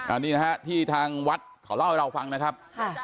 อันนี้นะฮะที่ทางวัดเขาเล่าให้เราฟังนะครับ